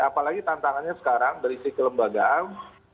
apalagi tantangannya sekarang berisi kelembagaan